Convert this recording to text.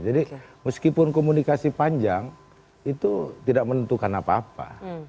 jadi meskipun komunikasi panjang itu tidak menentukan apa apa